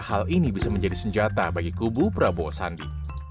hal ini bisa menjadi senjata bagi kubu prabowo sandi